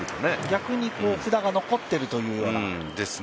逆に札が残っているというような。